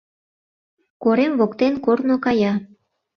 Корем воктен корно кая;